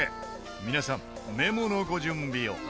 皆さんメモのご準備を。